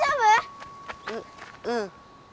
ううん。